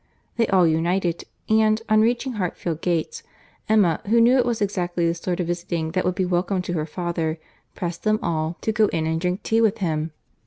They all united; and, on reaching Hartfield gates, Emma, who knew it was exactly the sort of visiting that would be welcome to her father, pressed them all to go in and drink tea with him.